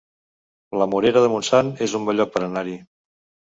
La Morera de Montsant es un bon lloc per anar-hi